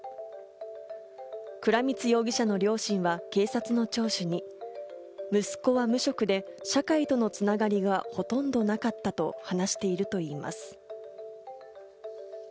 倉光容疑者の両親は警察の聴取に息子は無職で、社会との繋がりはほとんどなかったと話しているといいます。